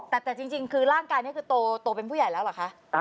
แต่จริงคือร่างกายนี้คือโตเป็นผู้ใหญ่แล้วเหรอคะ